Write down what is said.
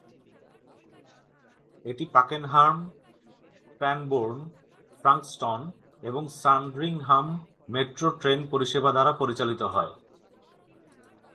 এটি পাকেনহাম, ক্রানবোর্ন, ফ্রাঙ্কস্টন এবং স্যান্ডরিংহাম metro train পরিষেবা দ্বারা পরিচালিত হয়।